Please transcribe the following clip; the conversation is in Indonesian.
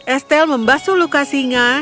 estel membasu luka singa